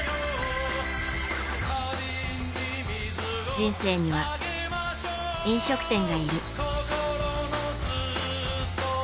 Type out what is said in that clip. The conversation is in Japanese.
人生には、飲食店がいる。